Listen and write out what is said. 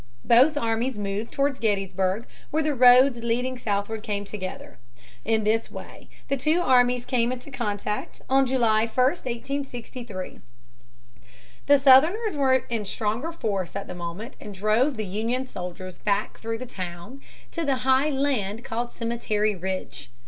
Both armies moved toward Gettysburg, where the roads leading southward came together. In this way the two armies came into contact on July i, 1863. The Southerners were in stronger force at the moment and drove the Union soldiers back through the town to the high land called Cemetery Ridge.